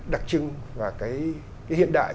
đặc trưng và cái hiện đại